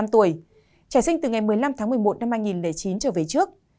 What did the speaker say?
trẻ sinh từ ngày một mươi năm một mươi một một mươi chín một mươi chín trở về trước